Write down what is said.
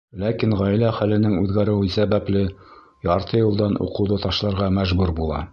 Ләкин ғаилә хәленең үҙгәреүе сәбәпле, ярты йылдан уҡыуҙы ташларға мәжбүр була.